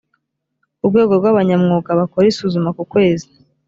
urwego rw’abanyamwuga bakora isuzuma ku kwezi